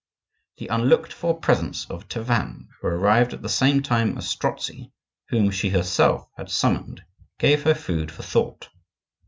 The unlooked for presence of Tavannes, who arrived at the same time as Strozzi, whom she herself had summoned, gave her food for thought.